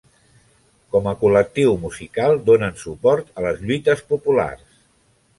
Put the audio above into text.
Com a col·lectiu musical donen suport a les lluites populars.